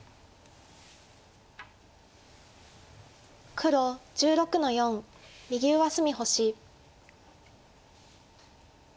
黒１６の四右上隅星。